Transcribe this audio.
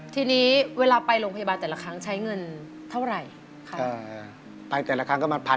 ทีนี้เวลาไปโรงพยาบาลแต่ละครั้งใช้เงินเท่าไหร่ค่ะอเจมส์ใช่ไปแต่ละครั้งก็มา๑๐๐๐๒๐๐๐บาท